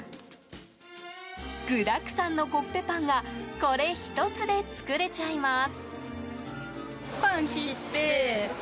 具だくさんのコッペパンがこれ１つで作れちゃいます。